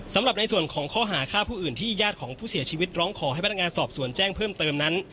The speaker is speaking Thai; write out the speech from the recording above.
สำหรับในส่วนของข้อหาฆ่าผู้อื่นที่ญาติของผู้เสียชีวิตร้องขอให้พนักงานสอบสวนแจ้งเพิ่มเติมนั้น